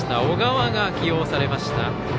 小川が起用されました。